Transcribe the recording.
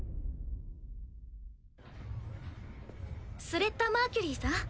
・スレッタ・マーキュリーさん？